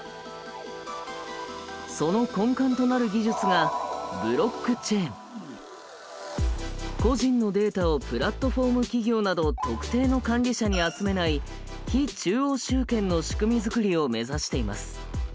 その根幹となる技術が個人のデータをプラットフォーム企業など特定の管理者に集めない非中央集権の仕組み作りを目指しています。